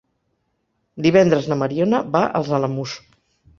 Divendres na Mariona va als Alamús.